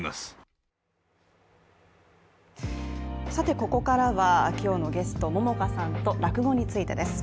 ここからは今日のゲスト、桃花さんと落語についてです。